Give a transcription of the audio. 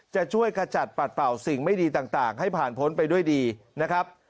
จะช่วยขจัดปัดเป่าสิ่งไม่ดีต่างให้ผ่านพ้นไปด้วยดีนะครับ